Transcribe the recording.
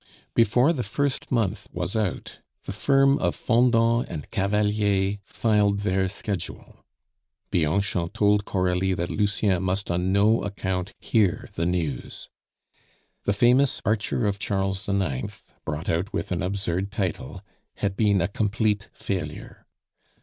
Before the first month was out, the firm of Fendant and Cavalier filed their schedule. Bianchon told Coralie that Lucien must on no account hear the news. The famous Archer of Charles IX., brought out with an absurd title, had been a complete failure.